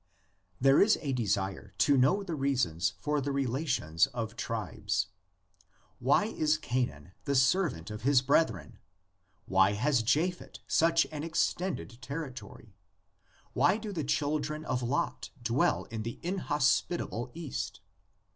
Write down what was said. There is a desire to know the reasons for the rela tions of tribes. Why is Canaan the servant of his brethren? Why has Japhet such an extended terri tory? Why do the children of Lot dwell in the inhospitable East?